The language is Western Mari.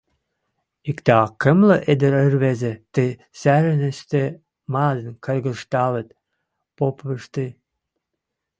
Иктӓ кымлы ӹдӹр-ӹрвезӹ тӹ сӓрӓнӹштӹ мадын кыргыжталыт, попымышты, ваштылмышты мӹндӹркок шакта.